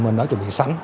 mình đã chuẩn bị sẵn